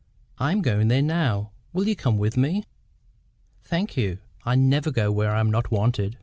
"I am going there now: will you come with me?" "Thank you. I never go where I am not wanted."